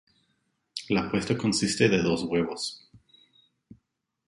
La puesta consiste de dos huevos.